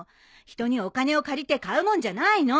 人にお金を借りて買うもんじゃないの！